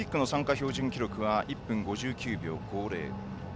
標準記録は１分５９秒５０です。